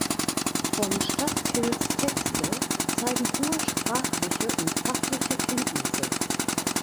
Von Stadtkylls Texte zeigen hohe sprachliche und fachliche Kenntnisse.